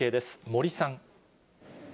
森さん。